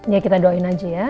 ya kita doain aja ya